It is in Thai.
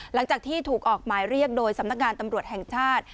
หลังจากที่ถูกออกหมายเรียกโดยสำนักงานตำรวจแห่งชาติ